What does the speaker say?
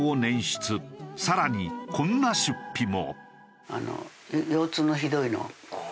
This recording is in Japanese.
更にこんな出費も。